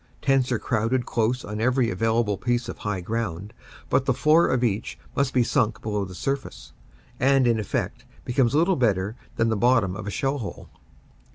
Tents are crowded close on every available piece of high ground, but the floor of each must be sunk below the surface and in effect becomes little better than the bottom of a shell hole.